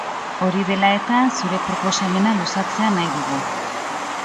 Hori dela eta, zure proposamena luzatzea nahi dugu.